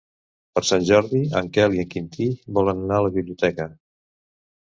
Per Sant Jordi en Quel i en Quintí volen anar a la biblioteca.